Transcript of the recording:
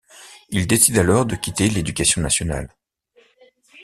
Il décide alors de quitter l'Éducation nationale.